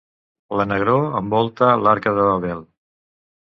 La negror envolta l'Arca de Babel.